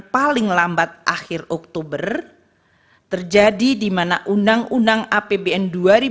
paling lambat akhir oktober terjadi di mana undang undang apbn dua ribu dua puluh